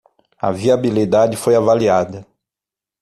A viabilidade foi avaliada